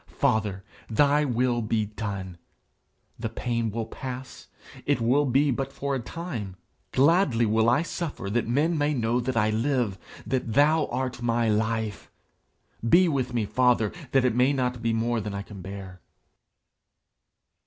Father, thy will be done! The pain will pass; it will be but for a time! Gladly will I suffer that men may know that I live, and that thou art my life. Be with me, father, that it may not be more than I can bear.'